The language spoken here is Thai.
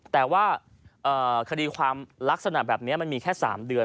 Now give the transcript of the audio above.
แต่ว่าคดีความลักษณะแบบนี้มันมีแค่๓เดือน